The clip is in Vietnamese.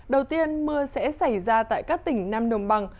đầu tiên mưa sẽ xảy ra tại các tỉnh nam đồng bằng